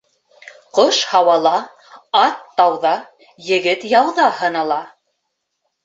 Ҡош һауала, ат тауҙа, егет яуҙа һынала.